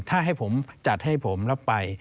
ถ้าให้ผมจัดให้ผมแล้วไป